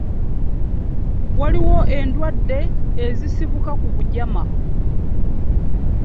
Waliwo endwadde ezisibuka ku bujama.